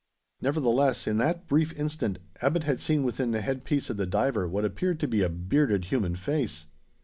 Nevertheless, in that brief instant, Abbot had seen within the head piece of the diver what appeared to be a bearded human face.